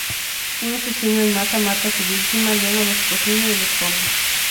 Un asesino en masa mata a su víctima, luego los cocina y los come.